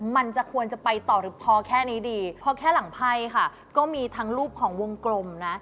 มันจะควรจะไปต่อหรือพอแค่นี้ดีพอแค่หลังไพ่ค่ะก็มีทั้งรูปของวงกลมนะ